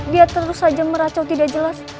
dia terus saja meracau tidak jelas